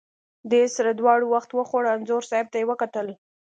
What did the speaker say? دې سره دواړو خټ وخوړه، انځور صاحب ته یې وکتل.